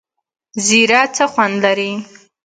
زیره څه خوند لري؟